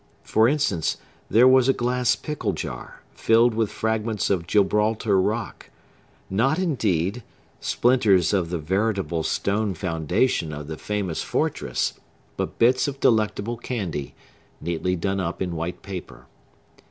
For instance, there was a glass pickle jar, filled with fragments of Gibraltar rock; not, indeed, splinters of the veritable stone foundation of the famous fortress, but bits of delectable candy, neatly done up in white paper.